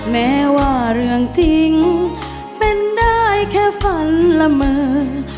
แม้ว่าเรื่องจริงเป็นได้แค่ฝันละเมอ